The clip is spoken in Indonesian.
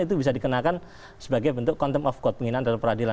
itu bisa dikenakan sebagai bentuk contempt of quote penghinaan dari peradilan